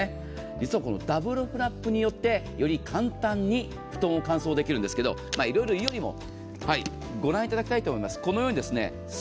実はこのダブルフラップによってより簡単に布団を乾燥できるんですけど、いろいろ予備も御覧いただきたいと思います。